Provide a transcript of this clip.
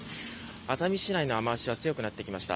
熱海市内の雨脚は強くなってきました。